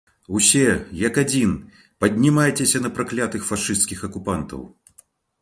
Усе, як адзін, паднімайцеся на праклятых фашысцкіх акупантаў!